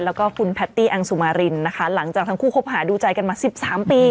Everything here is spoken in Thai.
แล้วก็คุณแพตตี้อังสุมารินนะคะหลังจากทั้งคู่คบหาดูใจกันมาสิบสามปี